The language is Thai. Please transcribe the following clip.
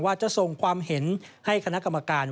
ว่าจะส่งความเห็นให้คณะกรรมการ